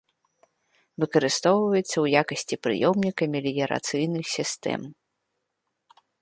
Выкарыстоўваецца ў якасці прыёмніка меліярацыйных сістэм.